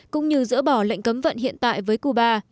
cũng như dỡ bỏ lệnh cấm vận hiện tại với cuba